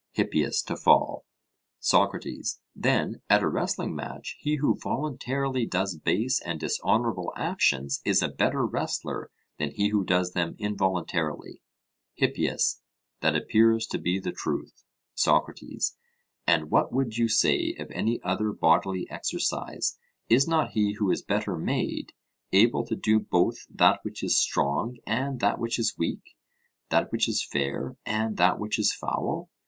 HIPPIAS: To fall. SOCRATES: Then, at a wrestling match, he who voluntarily does base and dishonourable actions is a better wrestler than he who does them involuntarily? HIPPIAS: That appears to be the truth. SOCRATES: And what would you say of any other bodily exercise is not he who is better made able to do both that which is strong and that which is weak that which is fair and that which is foul?